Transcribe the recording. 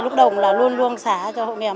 lúc đầu là luôn luôn xã cho hộ nghèo